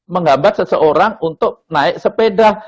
menggambat seseorang untuk naik sepeda